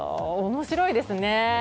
面白いですね。